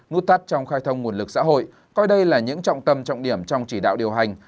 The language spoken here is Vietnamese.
nút thắt trong khai thông nguồn lực xã hội coi đây là những trọng tâm trọng điểm trong chỉ đạo điều hành